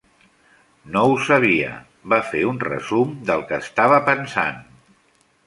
No ho sabia, va fer un resum del que estava pensant.